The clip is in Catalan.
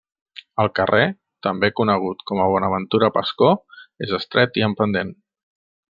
El carrer, també conegut com a Bonaventura Pascó, és estret i amb pendent.